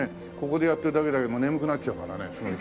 ここでやってるだけだけど眠くなっちゃうからね。